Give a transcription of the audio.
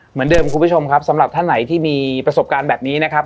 เหมือนเดิมคุณผู้ชมครับสำหรับท่านไหนที่มีประสบการณ์แบบนี้นะครับ